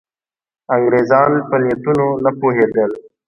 انګرېزان په نیتونو نه پوهېدل.